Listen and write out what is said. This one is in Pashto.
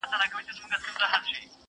نه په ژوند کي د مرغانو غوښی خومه؛